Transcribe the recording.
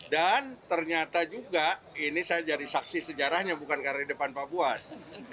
dan ternyata juga ini saya jadi saksi sejarahnya bukan karena di depan pak buas